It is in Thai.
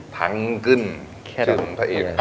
ดังกึ่นจึงพะอีก